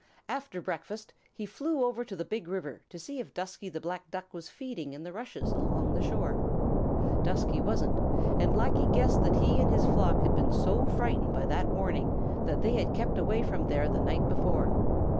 After breakfast, he flew over to the Big River to see if Dusky the Black Duck was feeding in the rushes along the shore. Dusky wasn't, and Blacky guessed that he and his flock had been so frightened by that warning that they had kept away from there the night before.